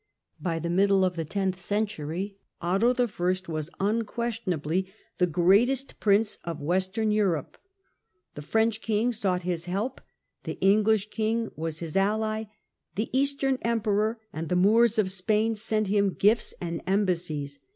By the middle of the tenth century Otto I. was un questionably the greatest prince of western Europe. The French king sought his help ; the English king was his ally ; the eastern Emperor and the Moors of Spain sent him gifts and embassies.